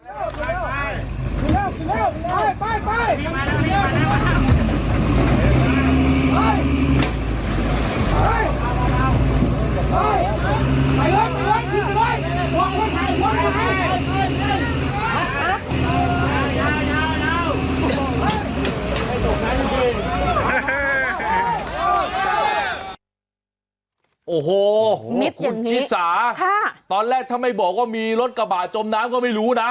โอ้โหนี่คุณชิสาตอนแรกถ้าไม่บอกว่ามีรถกระบะจมน้ำก็ไม่รู้นะ